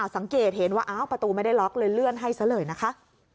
สังเกตเห็นว่าอ้าวประตูไม่ได้ล็อกเลยเลื่อนให้ซะเลยนะคะ